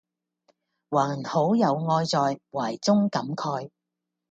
還好有愛在懷中感慨